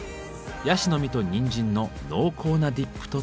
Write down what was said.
ヤシの実とにんじんの濃厚なディップとともに。